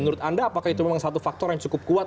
menurut anda apakah itu memang satu faktor yang cukup kuat